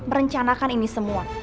merencanakan ini semua